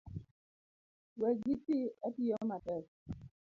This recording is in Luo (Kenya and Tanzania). We giti atiyo matek